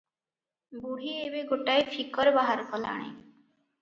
ବୁଢୀ ଏବେ ଗୋଟାଏ ଫିକର ବାହାର କଲାଣି ।